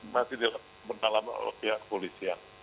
masih di bentalam polisi